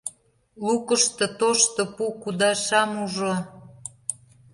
Лукышто тошто пу кудашам ужо.